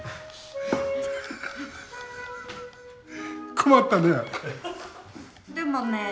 困ったね！